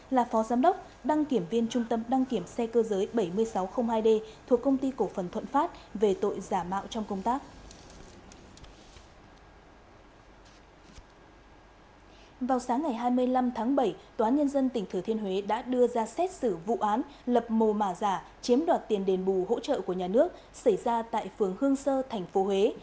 hai mươi năm tháng bảy tòa án nhân dân tỉnh thừa thiên huế đã đưa ra xét xử vụ án lập mồ mà giả chiếm đoạt tiền đền bù hỗ trợ của nhà nước xảy ra tại phường hương sơ thành phố huế